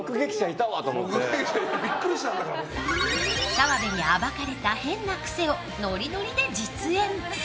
澤部に暴かれた変な癖をノリノリで実演。